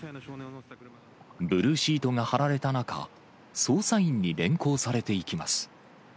ブルーシートが張られた中、捜査員に連行されていきます。